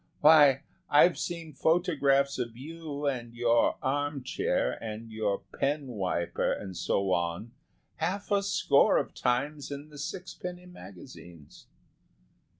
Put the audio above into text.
Why, I've seen photographs of you and your arm chair and your pen wiper and so on, half a score of times in the sixpenny magazines."